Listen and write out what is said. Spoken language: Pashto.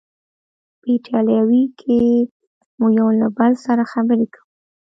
په ایټالوي کې مو یو له بل سره خبرې کولې.